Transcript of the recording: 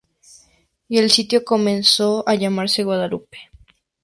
Y el sitio comenzó a llamarse Guadalupe.